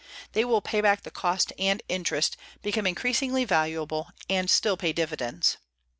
They will pay back the cost and interest, become increasingly valuable, and still pay dividends.